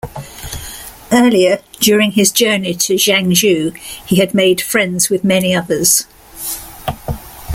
Earlier during his journey to Jiangzhou he had made friends with many others.